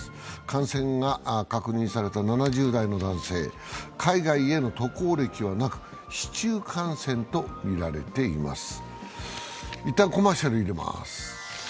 感染額か任された７０代の男性、海外への渡航歴はなく市中感染とみられています。